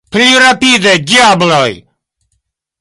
Pli rapide, diabloj!